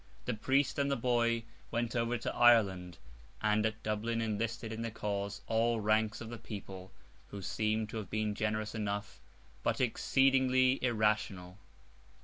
The priest and the boy went over to Ireland; and, at Dublin, enlisted in their cause all ranks of the people: who seem to have been generous enough, but exceedingly irrational.